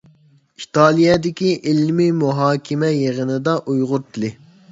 ئىتالىيەدىكى ئىلمىي مۇھاكىمە يىغىنىدا ئۇيغۇر تىلى.